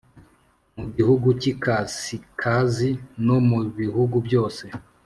Mu gihugu cy ikasikazi no mu bihugu byose